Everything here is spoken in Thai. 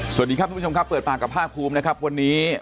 สวัสดีครับทุกผู้ชมครับเปิดปากกับภาคภูมินะครับวันนี้